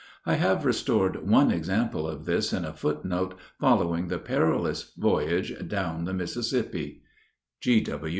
I have restored one example of this in a foot note following the perilous voyage down the Mississippi.